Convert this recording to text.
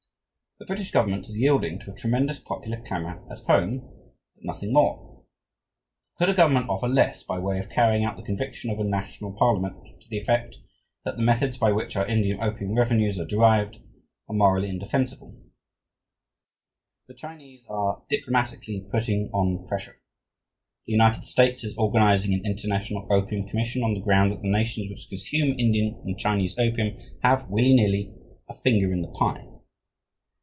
The British government is yielding to a tremendous popular clamour at home; but nothing more. Could a government offer less by way of carrying out the conviction of a national parliament to the effect that "the methods by which our Indian opium revenues are derived are morally indefensible"? The English people are urging their government, the Chinese are diplomatically putting on pressure, the United States is organizing an international opium commission on the ground that the nations which consume Indian and Chinese opium have, willy nilly, a finger in the pie.